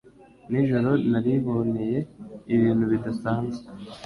Nijoro nariboneye ibintu bidasanzwe